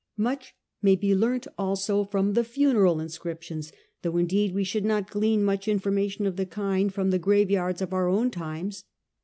Much may be learnt also from the funeral inscriptions, though in deed we should not glean much information of the kind from the graveyards of our own times.